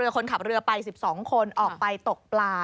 คนขับเรือไป๑๒คนออกไปตกปลา